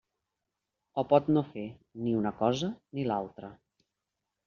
O pot no fer ni una cosa ni l'altra.